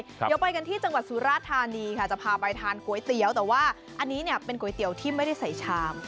เดี๋ยวไปกันที่จังหวัดสุราธานีค่ะจะพาไปทานก๋วยเตี๋ยวแต่ว่าอันนี้เนี่ยเป็นก๋วยเตี๋ยวที่ไม่ได้ใส่ชาม